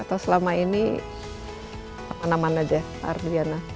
atau selama ini mana mana aja pak haryana